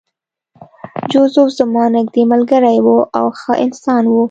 جوزف زما نږدې ملګری و او ښه انسان و